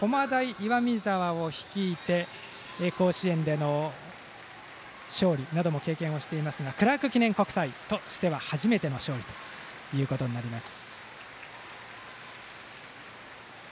岩見沢を率いて甲子園での勝利も経験していますがクラーク記念国際としては初めての勝利となります。